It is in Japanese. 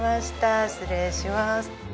失礼します。